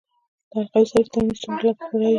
د حلقوي سړک ترمیم څومره لګښت لري؟